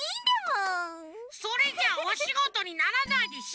それじゃあおしごとにならないでしょ！